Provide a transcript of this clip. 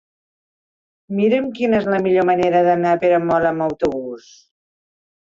Mira'm quina és la millor manera d'anar a Peramola amb autobús.